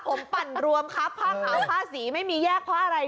ผมปั่นรวมครับผ้าขาวผ้าสีไม่มีแยกเพราะอะไร